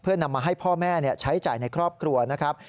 เพื่อนำมาให้พ่อแม่ใช้จ่ายในครอบครัวนะครับ